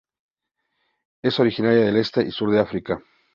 Es originaria del este y sur de África.